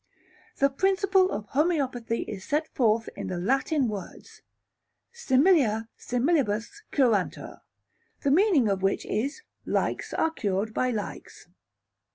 The principle of homoeopathy is set forth in the Latin words "similia similibus curantur," the meaning of which is "likes are cured by likes."